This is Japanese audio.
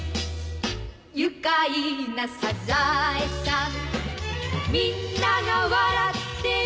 「愉快なサザエさん」「みんなが笑ってる」